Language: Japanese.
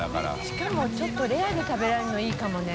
しかもちょっとレアで食べられるのいいかもね。